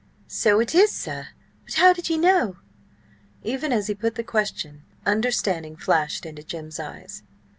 "So it is, sir! But how did ye know?" Even as he put the question, understanding flashed into Jim's eyes.